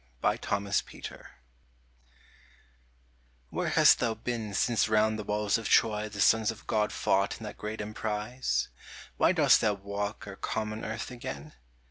THE NEW HELEN WHERE hast thou been since round the walls of Troy The sons of God fought in that great emprise ? Why dost thou walk our common earth again?